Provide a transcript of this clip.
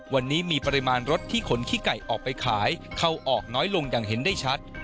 วันนี้มีปริมาณรถที่ขนขี้ไก่ออกไปขายเข้าออกน้อยลงอย่างเห็นได้ชัด